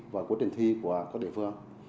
và quá trình thi của các địa phương